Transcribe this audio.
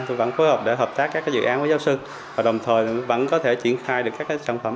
tôi vẫn phối hợp để hợp tác các dự án với giáo sư và đồng thời vẫn có thể triển khai được các sản phẩm